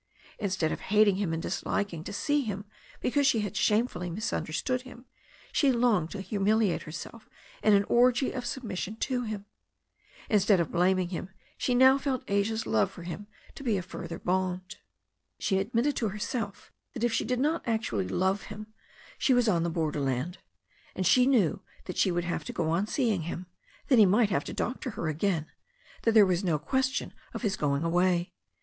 Instead of hating him and disliking to see him because she had shamefully misunderstood him, she longed to humiliate herself in an orgy of submission to him. In stead of blaming him, she now felt Asia's love for him to be a further bond. She admitted to herself that if she did not actually love him, she was on the borderland. And she knew that she would have to go on seeing him, that he might have to doctor her again, that there was no question of his going away.